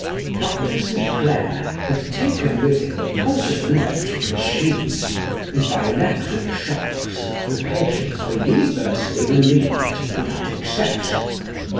Dr. St. Clare had taken with him a portable electrical machine, and by electric shocks the patients were universally relieved without exception.